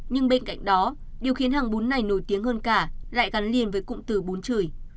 nhưng bên cạnh đó điều khiến hàng bún này nổi tiếng hơn cả lại gắn liền với cụm từ bún chửi